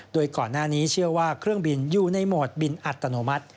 โดยก่อนหน้านี้เชื่อว่าเครื่องบินอยู่ในโหมดบินอัตโนมัติ